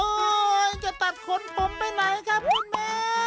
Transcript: จะตัดขนผมไปไหนครับคุณแม่